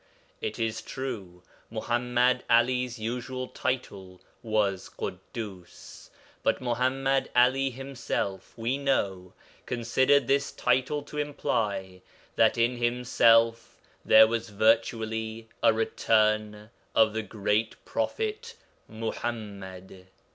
It is true, Muḥammad 'Ali's usual title was Ḳuddus, but Muḥammad 'Ali himself, we know, considered this title to imply that in himself there was virtually a 'return' of the great prophet Muḥammad.